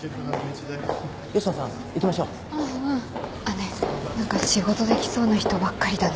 ねえ何か仕事できそうな人ばっかりだね。